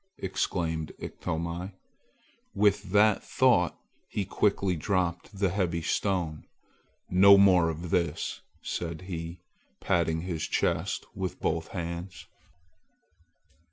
exclaimed Iktomi. With that thought he quickly dropped the heavy stone. "No more of this!" said he, patting his chest with both hands.